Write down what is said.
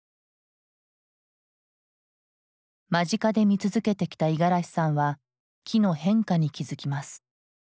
間近で見続けてきた五十嵐さんは木の変化に気付きます。